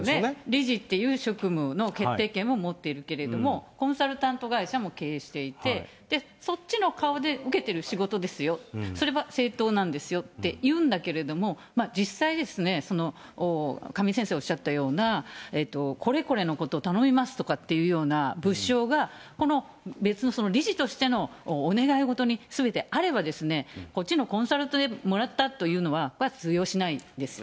理事っていう職務の決定権も持っているけれどもコンサルタント会社も経営していて、そっちの顔で受けてる仕事ですよ、それは正当なんですよって言うんだけど、実際、亀井先生おっしゃったような、これこれのことを頼みますとかっていうような物証が、この別の理事としてのお願いごとにすべてあれば、こっちのコンサルトでもらったというのは、それは通用しないです